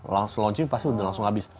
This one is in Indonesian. langsung launching pasti udah langsung habis